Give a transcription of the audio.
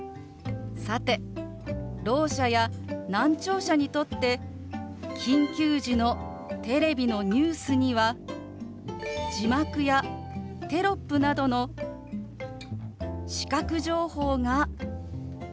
さてろう者や難聴者にとって緊急時のテレビのニュースには字幕やテロップなどの視覚情報が必要不可欠です。